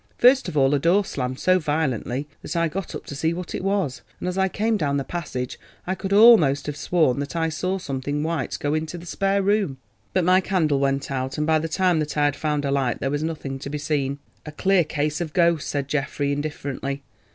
First of all a door slammed so violently that I got up to see what it was, and as I came down the passage I could almost have sworn that I saw something white go into the spare room. But my candle went out and by the time that I had found a light there was nothing to be seen." "A clear case of ghosts," said Geoffrey indifferently.